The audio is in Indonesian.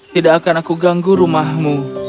tidak akan aku ganggu rumahmu